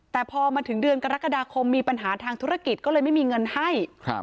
แต่พอมาถึงเดือนกรกฎาคมมีปัญหาทางธุรกิจก็เลยไม่มีเงินให้